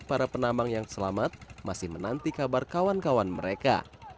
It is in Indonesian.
para penambang yang selamat masih menanti kabar kawan kawan mereka